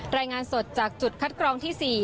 รายงานสดจากจุดคัดกรองที่๔